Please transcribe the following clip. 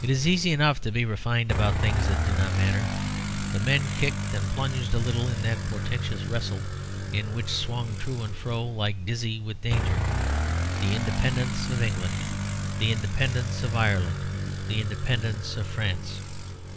It is easy enough to be refined about things that do not matter; but men kicked and plunged a little in that portentous wrestle in which swung to and fro, alike dizzy with danger, the independence of England, the independence of Ireland, the independence of France.